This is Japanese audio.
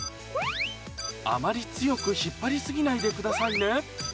あまり強く引っ張り過ぎないでくださいね。